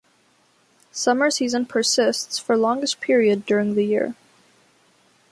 Summer season persists for longest period during the year.